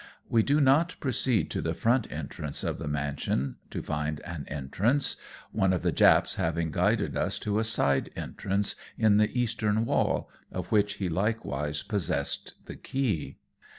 We do not proceed to the front entrance of the mansion to find an entrance, one of the Japs having guided us to a side entrance, in the eastern wall, of which he likewise possessed the key.